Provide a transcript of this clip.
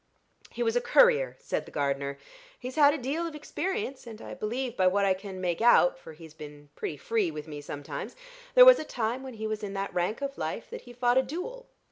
"He was a courier," said the gardener. "He's had a deal of experience. And I believe, by what I can make out for he's been pretty free with me sometimes there was a time when he was in that rank of life that he fought a duel."